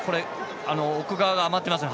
奥側が余ってますね。